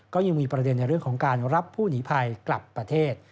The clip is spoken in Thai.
ก็ยังมีประเด็นในเรื่องของการรับผู้หนีภัยกลับประเทศ